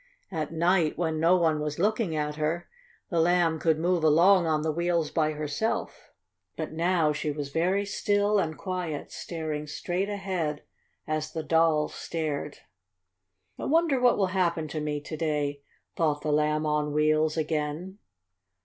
At night, when no one was looking at her, the Lamb could move along on the wheels by herself. But now she was very still and quiet, staring straight ahead as the dolls stared. "I wonder what will happen to me to day," thought the Lamb on Wheels again.